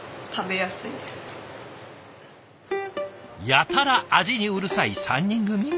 やたら味にうるさい３人組。